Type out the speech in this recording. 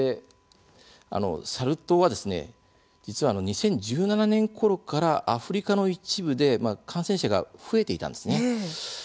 サル痘は実は２０１７年ころからアフリカの一部で感染者が増えていたんですね。